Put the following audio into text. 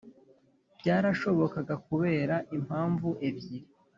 Byarashobokaga kubera impamvu ebyiri